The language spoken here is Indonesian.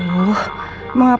mungkin takut truthful nggak